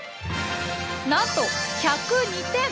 なんと１０２点！